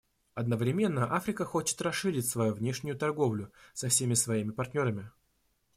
Одновременно Африка хочет расширить свою внешнюю торговлю со всеми своими партнерами.